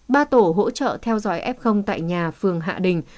ba tổ hỗ trợ theo dõi f tại nhà phường hạ đình